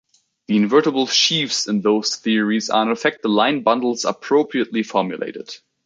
The invertible sheaves in those theories are in effect the line bundles appropriately formulated.